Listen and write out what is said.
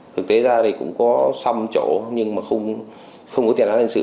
thực tế ra thì cũng có xăm chỗ nhưng mà không có tiền án tiền sự